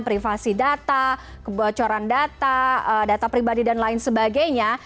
privasi data kebocoran data data pribadi dan lain sebagainya